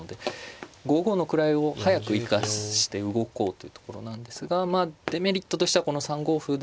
５五の位を早く生かして動こうというところなんですがデメリットとしてはこの３五歩ですね。